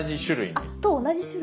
あと同じ種類。